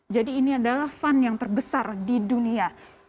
jadi ini adalah fund yang terbesar di dunia